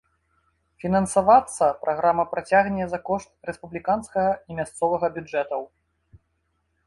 Фінансавацца праграма працягне за кошт рэспубліканскага і мясцовага бюджэтаў.